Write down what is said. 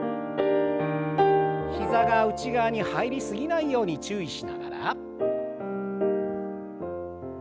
膝が内側に入り過ぎないように注意しながら。